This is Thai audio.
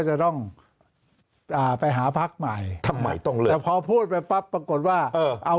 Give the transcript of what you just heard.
จะต้องไปหาพักใหม่ทำไมต้องแล้วพอพูดไปปั๊บปรากฏว่าเอา